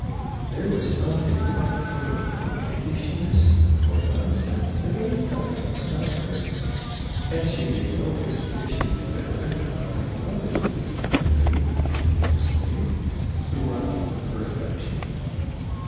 There was not a particle of coquettishness, or nonsense of any kind, about her, and she made no hesitation whatever about acknowledging, frankly yet modestly, the warmth of her affection.